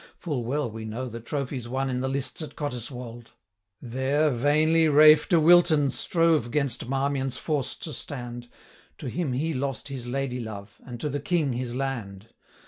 Full well we know the trophies won In the lists at Cottiswold: There, vainly Ralph de Wilton strove 175 'Gainst Marmion's force to stand; To him he lost his lady love, And to the King his land.